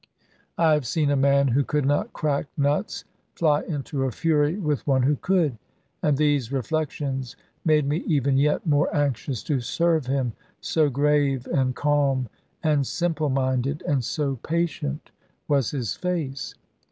I have seen a man who could not crack nuts fly into a fury with one who could. And these reflections made me even yet more anxious to serve him, so grave, and calm, and simple minded, and so patient was his face.